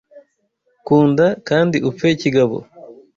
Kunda kandi upfe kigabo